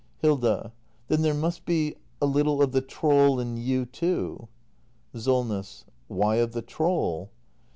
Hilda. Then there must be — a little of the troll in you too. Solness. Why of the troll